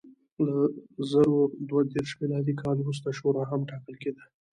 له زر دوه دېرش میلادي کال وروسته شورا هم ټاکل کېده.